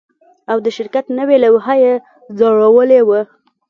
او د شرکت نوې لوحه یې ځړولې وه